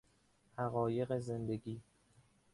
حقایق زندگی